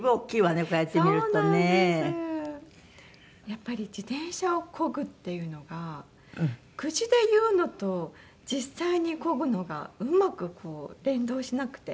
やっぱり自転車をこぐっていうのが口で言うのと実際にこぐのがうまく連動しなくて。